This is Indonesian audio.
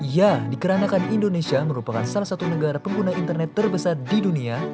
ya dikarenakan indonesia merupakan salah satu negara pengguna internet terbesar di dunia